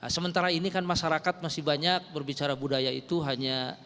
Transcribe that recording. sementara ini kan masyarakat masih banyak berbicara budaya itu hanya